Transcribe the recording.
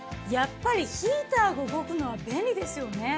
やっぱりヒーターが動くのは便利ですよね。